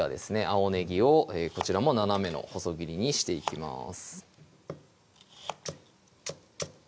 青ねぎをこちらも斜めの細切りにしていきます